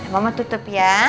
mama tutup ya